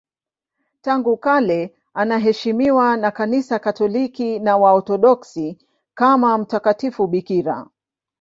Tangu kale anaheshimiwa na Kanisa Katoliki na Waorthodoksi kama mtakatifu bikira.